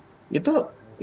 itu sudah susah itu sudah susah